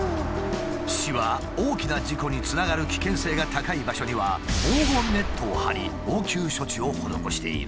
市は大きな事故につながる危険性が高い場所には防護ネットを張り応急処置を施している。